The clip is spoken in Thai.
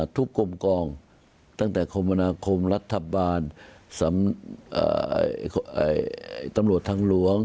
ท่านต่ำรวจทางหลวง